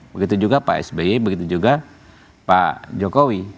begitu juga pak sby begitu juga pak jokowi